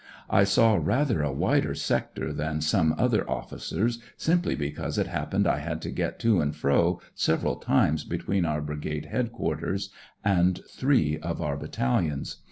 " I saw rather a wider sector than some other officers, simply because it happened I had to get to and fro several times between our Brigade Headquarters and three of our battalions.